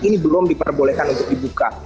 ini belum diperbolehkan untuk dibuka